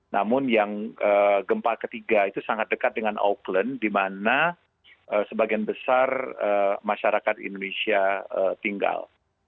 namun yang gempa ketiga itu sangat dekat dengan auckland di mana sebagian besar masyarakat indonesia tinggal